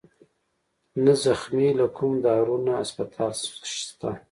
نه زخمى له کوم دارو نه هسپتال شت